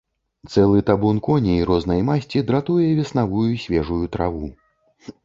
Цэлы табун коней рознай масці дратуе веснавую свежую траву.